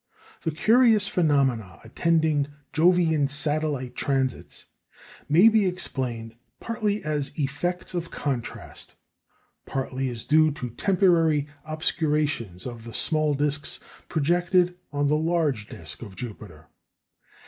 The curious phenomena attending Jovian satellite transits may be explained, partly as effects of contrast, partly as due to temporary obscurations of the small discs projected on the large disc of Jupiter.